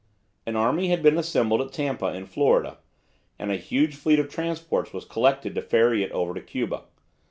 An army had been assembled at Tampa, in Florida, and a huge fleet of transports was collected to ferry it over to Cuba.